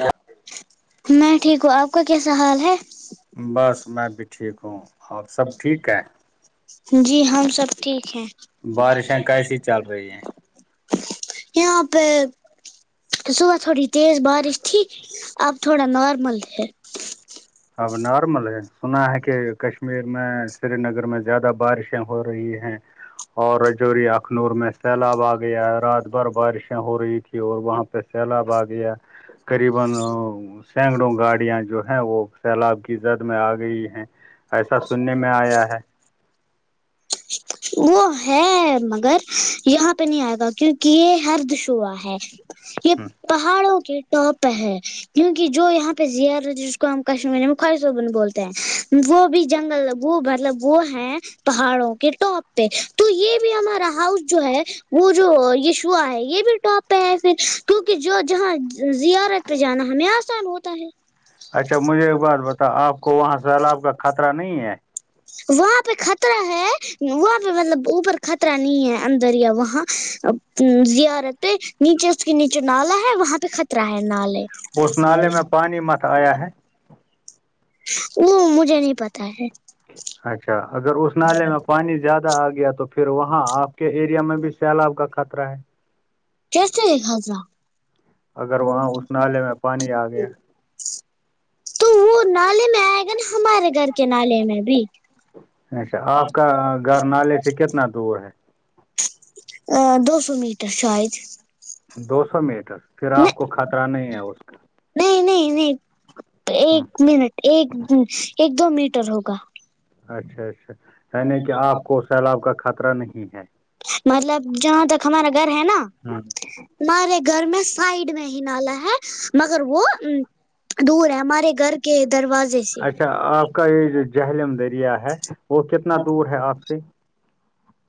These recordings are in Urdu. کیا میں ٹھیک ہوں آپ کا کیسا حال ہے بس میں بھی ٹھیک ہوں آپ سب ٹھیک ہے جی ہم سب ٹھیک ہیں بارشیں کیسی چل رہی ہیں یہاں پہ صبح تھوڑی تیز بارش ٹھیک آب تھوڑا نارمل ہے اب نارمل ہے سنا ہے کہ کشمیر میں سری نگر میں زیادہ بارشیں ہو رہی ہیں اور رجوروری اخنور میں سیلاب آ گیا رات بھر بارشیں ہو رہی تھیں کی اور وہاں پہ سیلا باغ یا قریبا سینکڑوں گاڑیاں جو ہے وہ لب کی زد میں آ گئی ہیں ایسا سننے میں آیا ہے وہ ہے مگر یہاں پہ نہیں آیا تھا کیونکہ کہ یہ ہرد شعا ہے یہ پہاڑوں کے ٹاپ ہے کیونک جو یہاں پہ زی جس کو ہم کشمیر خواہشحبن بولتے وہ بھی جنگل وہ مطلب وہ ہے پہاڑوں کے ٹاپ پہ تو یہ بھی ہمارا ہاؤس جو ہے وہ جو یشعا ہے یہ بھی ٹاپ ایسے کیونکہ جو جہاں زیارت پہ جانا ہمیں آسان ہوتا ہے اچھا مجھے ایک بات بتا آپ کو وہاں سیلاب کا خطرہ نہیں ہے وہاں پہ خطر [unintelligible] وہاں پہ مطلب اوپر خطرہ نہیں ہے اندر یا وہاں زیارت پہ نیچے اس کے نیچے نالا ہے وہاں پہ خطرہ ہے نالے اس نالے میں پانی مت آیا ہے وہ مجھے نہیں پتا ہے اچھا اگر اس نالے میں پانی زیادہ آ گیا تو پھر وہاں آپ کے ایریا میں بھی سیلاب کا خطرہ ہے کیسے ہضرہ اگر وہاں اس نالے میں پانی آ گیا تو وہ نالے میں آئے گا نا ہمارے گھر کے نالے میں بھی اچھا آپ کا گھر نالے سے کتنا دور ہے ا دو سو میٹر شاید دو سو میٹر پھر آپ کو خطرہ نہیں ہے اس کا نہیں نہیں نہیں ہاں ایک منٹ ایک ایک دو میٹر ہوگا اچھا اچھا نہیں کہ آپ کو سیلاب کا خطرہ نہیں ہے مطلب جہاں تک ہمارا گھر ہے نا ہاں مارے گھر میں سائڈ میں ہی نالا ہے مگر وہ دور ہے ہمارے گھر کے دروازے سے اچھا آپ کا یہ جو جہلملم دریا ہے وہ کتنا دور ہے آپ سے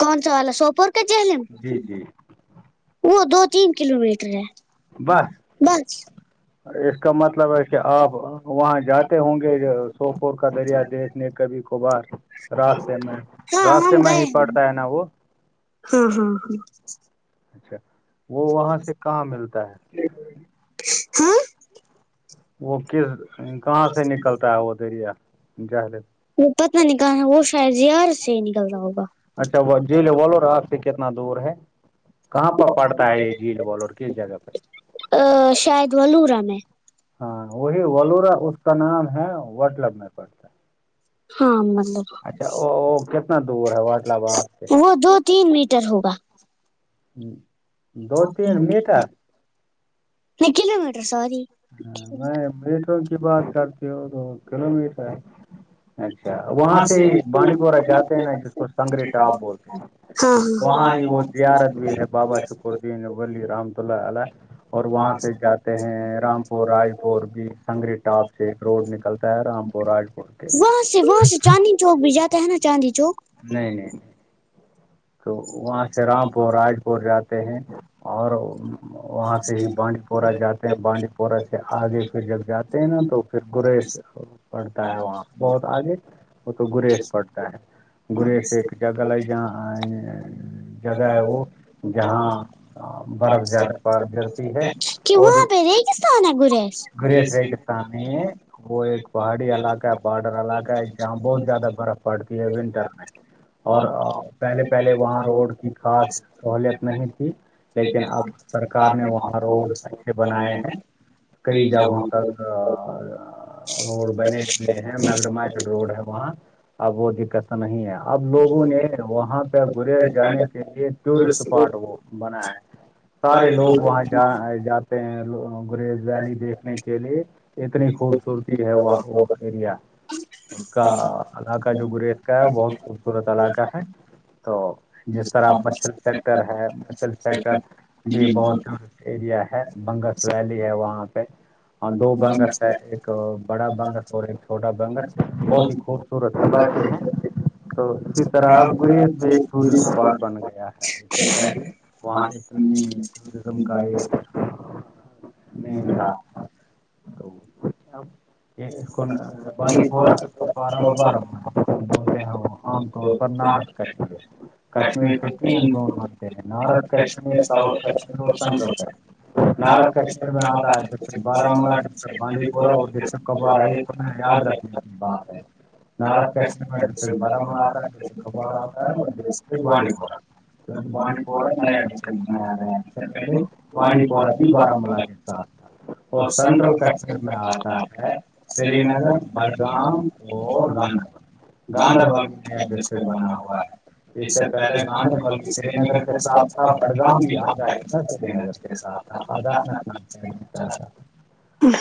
کون سا والا سوپور کے جلیم جی جی وہ دو تین کلو میٹر ہے بس بس اس کا مطلب ہے کہ آپ وہاں جاتے ہوں گے سوپور کا دریا دیکھ کبھی کبھار راستے میں ہاں راستے ہم میں ہی گئے پڑتا ہے نا وہ ہاں ہاں ہاں اچھا وہ وہاں سے کہاں ملتا ہے ہاں وہ کس کہاں سے نکلتا ہے وہ دریا جاہل وہ پتہ نکال رہا ہے وہ شاید یار سے ہی نکل رہا ہوگا اچھا جیل بولو را آپ سے کتنا دور ہے کہاں پر پڑتا ہے یہ جیل بال اور کس جگہ پہ ا شاید و رہا میں ہاں وہی ولورا اس کا نام ہے وٹلب میں پٹ ہاں مل اچھا کتنا دور ہے واٹلباد سے وہ دو تین میٹر ہوگا ہ دو تین میٹر نہیں کلو میٹر سوری کیا تو گل مٹ ہے اچھا وہاں سے ہی بانڈی پورہ جاتے ہیں نا جس کو سنگری ٹاپ بولتے ہیں ہاں ہاں وہاں ہی وہ زیارت بھی ہے بابا شکردین ولی رحمت اللہ ع اور وہاں سے جاتے ہیں رامپور رائے پور بھی سنگری اپ سے ایک روڈ نکلتا ہے رام پور پ وہاں سے وہاں سے چاندنی چوک بھی جاتا ہے نا چاندنی چوک نہیں نہیں تو وہاں سے رامپور راج پور جاتے ہیں اور وہاں سے ہی بانڈی پورہ جاتے ہیں بانڈی پورہ سے آگے پھر جب جاتے ہیں نا تو پھر گری پڑتا ہے وہاں بہت آگے وہ تو گریز پڑتا ہے گرے س ایک جاگ لائی جا جگہ ہے وہ جہاں برف زیادہ پار گرتی ہے کہ اور وہاں پہ ریگستان ہے گریز گریش ریگستان میں وہ ایک پہاڑی علاقہ ہے بارڈر علاقہ ہے جہاں بہت زیادہ برف پڑتی ہے ونٹر میں اور پہلے پہلے وہاں روڈ کی خاص سہوولت نہیں تھی لیکن اب سرکار نے وہاں روڈس اچھے بنائے ہیں کئی جگہوں تک روڈ بنے ہوئے ہیں مگ روڈ ہے وہاں اب وہ دقت تو نہیں ہے اب لوگوں نے وہاں پہ گریز جانے کے لیے ٹورسٹ اسپاٹ بنا ہے سارے لوگ وہاں ج جات گریز ویلی دیکھنے کے لیے اتنی خوبصورتی ہے وہ وہ ایریا اس کا علاقہ جو گریز کا ہے وہ بہت خوبصورت علاقہ ہے تو جس طرح مچھر سیکٹر ہے مچل سیکٹر بھی بہت ایریا ہے بنگس ویلی ہے وہاں پہ ہاں دو بنگس ہے ایک بڑا بنگس اور ایک چھوٹا بنگس بہت ہی خوب صورت حبی ہیں تو اسی طرح اب ت میں ایک ٹورسٹ اسپاٹ بن گیا ہے اس سے پہلے وہاں اتنی جسم کا ہے نہیں اس کو بانی پورا پارا بڑ وہ عام طور پر نارض کر ہے کشمیر ستی ان متے ہیں نارتھ کاشمیر سؤت کاشمیر اکنتا ہے ار کشہر میں آتا ہے ڈ بارامولہ ڈسٹرک بانڈی پورہ اور ڈسٹرک کپوارہ یاد رکھنے وال بات ہے نتھ کشمیر میں ڈ سے برابر آتا ہے ڈ سے کھبارہ آتا ہے بانڈی پنا [unintelligible] کیونکہ بانڈی پورہ نیا گھر پ منایا گیا ہے اس سے پہلے بانڈی پورہ بھی بارامولہ کے ساتھ تھا اور سینٹرل کشمیر میں آتا ہے سری نگر بڑگام اور گاندربل گاندربل نیا ڈسٹرکٹ بناا ہے اس سے پہلے گاندربل سری نگر کے ساتھ تھا بڑگام بھی آ جاے تھا سری نگر کے ساتھ خرد پ چلا جاتا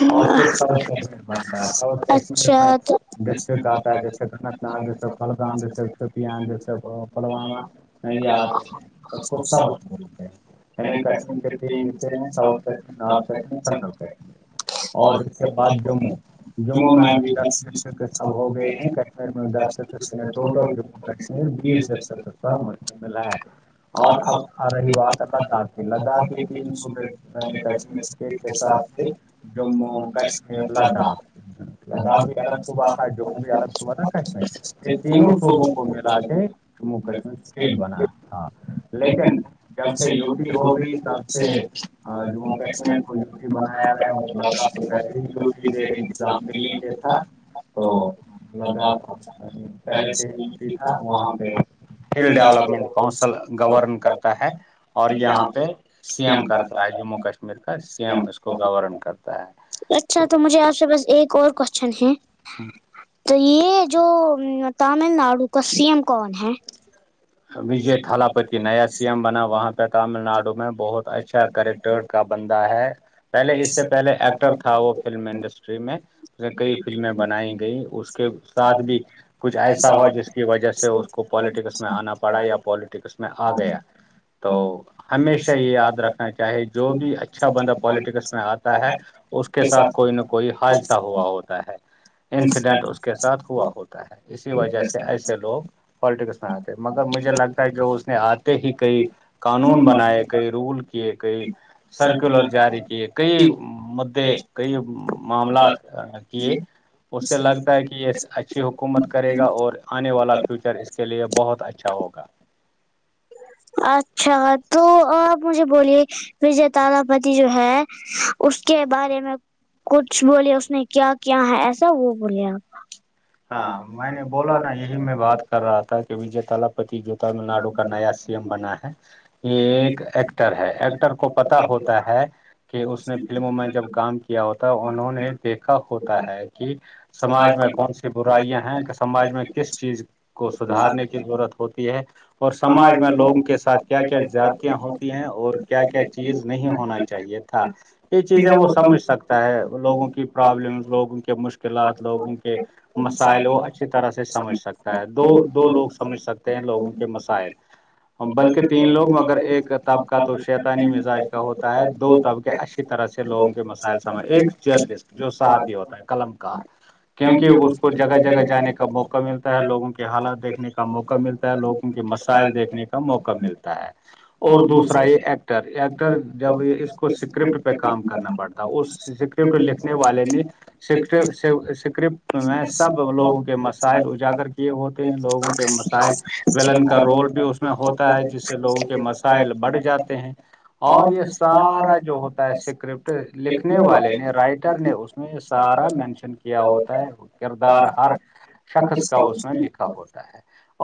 [unintelligible] اور پھر ستھ کشمیر بنتا ہے ساؤتھ کشمیر اچھا میں تو جسٹ کہتا ہے جس [unintelligible] یاا اس ین کو سے ساؤتھ بولتے ہیں یعنی کشمیر کے تین حصے ہیں south south Kashmir north Kashmir نتھ سر سینٹرل کشمیر اور اس کے بعد جموں میں بھی دس ڈسٹرکٹس اب ہو گئے ہیں کشمیر میں [unintelligible] بیر تک سر م میں ل گ اور اب آ رہی بات لداخ کی لداخ تین سوب نے کہٹی کے ساتھ جموں کشمیر لداخ لداخ بھی الگ صوبہ تھا جموں بھی الگ صوبہ تھا کشمیر یہ تینوں صوبوں کو ملا کے جموں کشمیر اسٹیٹ بنا ہاں لیکن جب سے یو س ہوگی تب سے جموں کشمیر کو یو س بنایا گیا وہ لداخ تو پہلے ہی جو انتظام دلی کے تھا تو لگاتار پہلے تھٹی تھا وہاں پہ فل ڈیولپمنٹ کانسل گورن کرتا ہے اور یہاں پہ سی ایم کرتا ہے جموں کشمیر کا سی ایم اس کو گورن کرتا اچھا تو مجھے آپ سے پاس ایک اور کوشچن ہے تو یہ جو تامل ناڈو کا سی ایم کون ہے وجے تھال پ کی نیا سی ایم بنا وہاں پہ تامل ناڈو میں بہت اچھا کرٹر کا بندا ہے پہلے ج سے پہلے ایکٹر تھا وہ فلم انڈسٹری میں کئی فلمیں بنائی گئ اس کے ساتھ بھی کچھ ایسا ہوا جس کی وجہ سے کو پولیٹکس میں آنا پڑا یا پولییٹکس میں آ گیا تو ہمیشہ یہ یاد رکھنا چاہیے جو بھی اچھا بندہ پالٹکس میں آتا ہے اس کے ساتھ کوئی نہ کوئی حادثہ ہوا ہوتا ہے انسیڈنٹ اس کے ساتھ ہوا ہوتا ہے اسی وجہ سے ایسے لوگ پالیٹکس میں آتے مگر مجھے لگتا ہے جو اس نے آتے ہی کئی قانون بنائے کئی رول کیے کئی سرکولر جاری کیے کئی مددے کئی معاملات کیے اس سے لگتا ہے کہ یہ اچھی حکومت کرے گا اور آنے والا فیوچر اس کے لیے بہت اچھا ہوگا اچھا تو آپ مجھے بولیے وجے تارا پتی جو ہے اس کے بارے میں کچھ بولے اس نے کیا کیا ہے ایسا وہ بولے آپ ہاں میں نے بولا نا یہی میں بات کر ب [unintelligible] رہا تھا وجے تلاپتی جو تمل ناڈو کا نیا سی ایم بنا ہے یہ ایک ایکٹر ہے ایکٹر کو پتا ہوتا ہے کہ اس نے میں جب کام کیا ہوتا ہے انہوں نے دیکھا ہوتا ہے کہ سماج میں کون سی برائیاں ہیں کہ سماج میں کس چیز کو سدارنے کی ضرورت ہوتی ہے اور سماج میں لوگوں کے ساتھ کیا کیا زیادتیاں ہوتی ہیں اور کیا کیا چیز نہیں ہونا چاہیے تھا یہ چیزیں وہ سمجھ سکتا ہے لوگوں کی پرابلم لوگوں کے مشکلات لوگوں کے مسائلوں اچھی طرح سے سمجھ سکتا ہے دو دو لوگ سمجھ سکتے ہیں لوگوں کے وسائل بلکہ تین لوگ مگر ایک طبقہ تو شیتانی مزاج کا ہوتا ہے دو طبقے اشے طرح سے لوگوں کے مسائل سجھ ایک جرلسٹ جو ساتھ ہی ہوتا ہے قلم کا کیوںکہ اس کو جگہ جگہ جانے کا موقع ملتا ہے لوگوں کے حالات دیکھنے کا موقع ملتا ہے لوگوں کے مسائل دیکھنے کا موقع ملتا ہے اور دوسرا یہ ایکٹر ایکٹر جب یہ اس کو کرپٹ پہ کام کرنا پڑتا ہے اس سکرپٹ لکھنے والے نے سکر سکرپٹ میں سب لوگوں کے مسائل اجاگر کیے ہوتے ہیں لوگوں کے مسائل ولن کا رول بھی اس میں ہوتا ہے جس سے لوگوں کے مسائل بڑھ جاتے ہیں اور یہ سارا جو ہوتا ہے سکرپٹ لکھنے والے نے رائٹر نے اس میں سارا مینشن کیا کیا ہوتا ہے کردار ہر شخص کا اس میں لکھا ہوتا ہے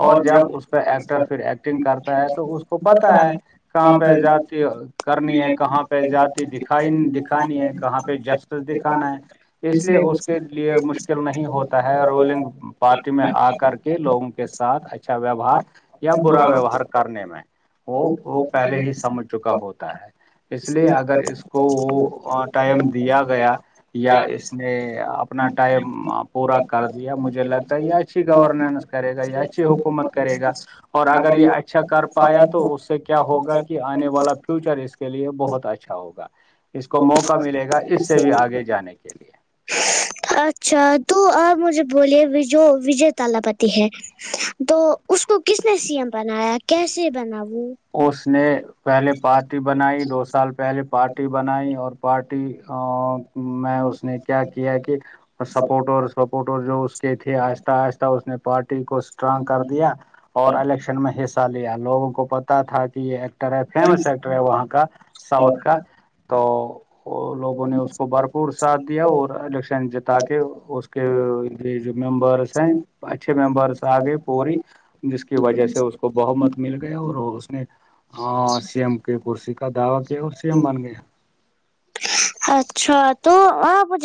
اور جب اس پہ ایکٹر پھر ایکٹنگ کرتا ہے تو اس کو پتا ہے کہاں پہ آزادی کرنی ہے کہاں پہ جاتی د دکھانی ہے کہاں پہ جسٹس دکھانا ہے اس لیے اس کے لیے مشکل نہیں ہوتا ہے رولنگ پارٹی میں آ کر کے لوگوں کے ساتھ اچھا ویوہار یا برا ویوہار کر کرنے میں وہ وہ پہلے ہی سمجھ چکا ہوتا ہے اس لیے اگر اس کو وہ ٹائم دیا گیا یا اس نے اپنا ٹائم پورا کر دیا مجھے لگتا ہے یا اچھی گورننس کرے گا یہ اچھی حکومت کرے گا اور اگر یہ اچھا کر پایا تو اس سے کیا ہوگا کہ آنے والا فیوچر اس کے لیے بہت اچھا ہوگا اس کو موقع ملے گا اس سے بھی آگے جانے کے لیے اچھا تو آپ مجھے بولیے جو وجے تالپتی ہے تو اس کو کس نے سی ایم بنایا کیسے بنا وہ اس نے پہلے پارٹی بنائی دو سال پہلے پارٹی بنائی اور پارٹی میں اس نے کیا کیا کہ سپورٹ اور سپورٹر جو اس کے تھے آہستہ آہستہ اس نے پارٹی کو اسٹرانگ کر دیا اور الیکشن میں حصہ لیا لوگوں کو پتا تھا کہ یہ ایکٹر ہے فیمس ایکٹر ہے وہاں کا ساؤتھ کا تو اور لوگوں نے اس کو بھرپور ساتھ دیا اور الیکشن جتا کے جو ممبرس ہیں اچھے ممبرس آ گئے پوری جس کی وجہ سے اس کو بہ مت مل گیا اور اس نے ہاں سی ایم کے کرسی کا دعوی کیا اور سی ایم بن گیا اچھا تو آپ